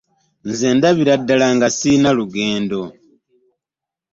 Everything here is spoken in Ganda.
Nze ndabira ddala nga ssirina lugendo.